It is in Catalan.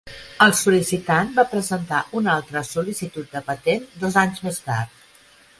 El sol·licitant va presentar una altra sol·licitud de patent dos anys més tard.